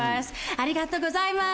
ありがとうございます！